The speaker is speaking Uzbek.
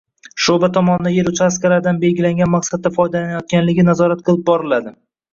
Shoʼba tomonidan yer uchastkalaridan belgilangan maqsadda foydalanilayotganligi nazorat qilib boriladi